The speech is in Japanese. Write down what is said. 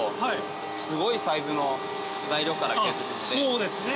そうですね